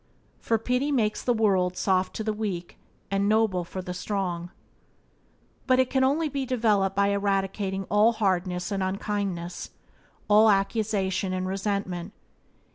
"For pity makes the world Soft to the weak, and noble for the strong." But it can only be developed by eradicating all hardness and unkindness, all accusation and resentment.